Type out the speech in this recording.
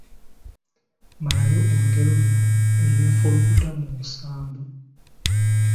Malayo olugero luno: Eyeefulukuta mu nsambu, ……